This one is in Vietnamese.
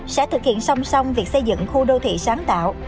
sẽ thực hiện song song việc xây dựng khu đô thị sáng tạo